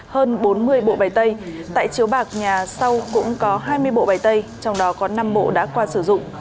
hơn bốn mươi bộ bày tay tại chiếu bạc nhà sau cũng có hai mươi bộ bài tây trong đó có năm bộ đã qua sử dụng